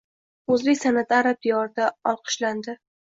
O‘zbek san’ati arab diyorida olqishlanding